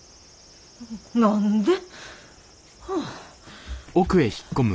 何で？